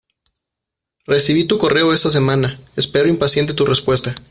Recibi tu correo esta semana, espero impaciente tu respuesta